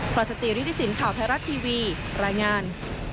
พรสตรีฤทธิสินข่าวไทยรัฐทีวีรายงาน